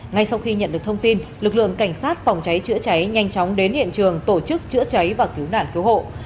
ngay sau khi nhận được thông tin lực lượng cảnh sát phòng cháy chữa cháy nhanh chóng đến hiện trường tổ chức chữa cháy và cứu nạn cứu hộ